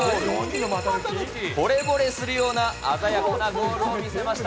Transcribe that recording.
ほれぼれするような鮮やかなゴールを見せました。